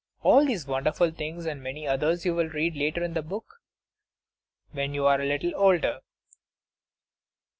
All these wonderful things and many others you will read in the other book, when you are a little older.